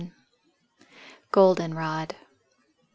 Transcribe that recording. ] GOLDEN ROD.